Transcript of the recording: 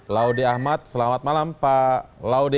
laude ahmad selamat malam pak laude